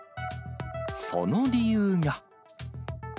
その理由が。